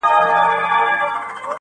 ته دي ټپه په اله زار پيل کړه,